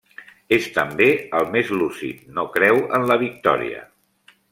És també el més lúcid, no creu en la victòria.